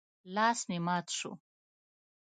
لاس مې مات شو.